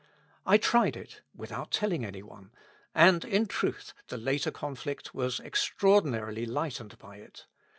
I tried it, with out telling any one, and in truth the later conflict was extraordinarily lightened by it.